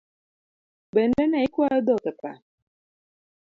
Bende ne ikwayo dhok e pap?